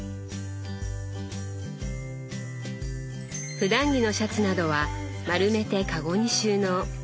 ふだん着のシャツなどは丸めてカゴに収納。